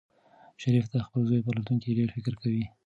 شریف د خپل زوی په راتلونکي ډېر فکر کوي.